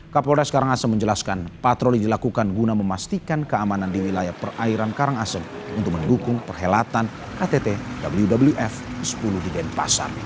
kapolres karangasem menjelaskan patroli dilakukan guna memastikan keamanan di wilayah perairan karangasem untuk mendukung perhelatan kttwf sepuluh di denpasar